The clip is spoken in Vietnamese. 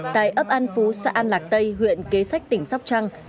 tại ấp an phú xã an lạc tây huyện kế sách tỉnh sóc trăng